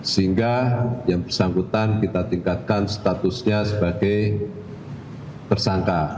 sehingga yang bersangkutan kita tingkatkan statusnya sebagai tersangka